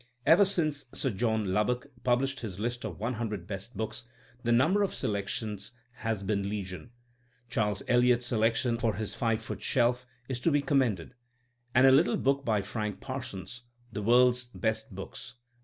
Ever since Sir John Lubbock pub lished his list of one hundred best books, the number of selections has been legion. Charles Eliot's selection for his Five Foot Shdf is to be commended, and a little volume by Frank Parsons The World's Best Books.